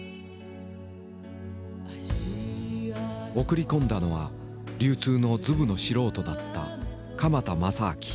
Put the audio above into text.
送り込んだのは流通のずぶの素人だった鎌田誠晧。